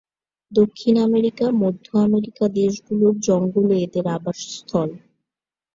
দক্ষিণ আমেরিকা, মধ্য আমেরিকা দেশগুলোর জঙ্গলে এদের আবাসস্থল।